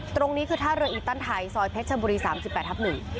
ตรงนี้คือท่าเรืออีตันไทยซอยเพชรชบุรี๓๘ทับ๑